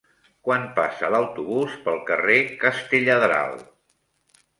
Quan passa l'autobús pel carrer Castelladral?